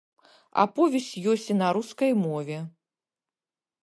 Аповесць ёсць і на рускай мове.